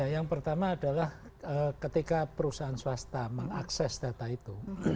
yang pertama adalah ketika perusahaan swasta mengakses data itu